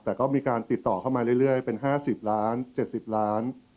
แต่ก็มีการติดต่อเข้ามาเรื่อยเป็น๕๐ล้าน๗๐ล้าน